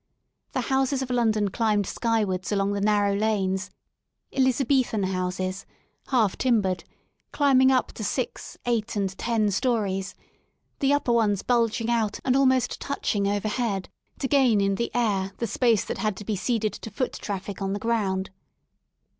The houses of London climbed skywards along the narrow lanes —Elizabethan *' houses, half timbered, climbing up to six, eight and ten storeys, the upper ones bulging out and almost touching overhead to gain in the air the space that had to be ceded to foot traffic on the ground.